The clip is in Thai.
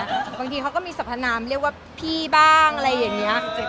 บางทีเขาก็มีสัพพนามเรียกว่าพี่บ้างอะไรอย่างนี้